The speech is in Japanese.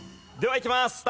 ではいきます。